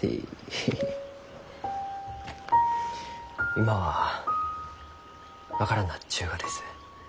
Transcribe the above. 今は分からんなっちゅうがです。